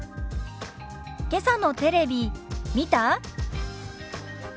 「けさのテレビ見た？」。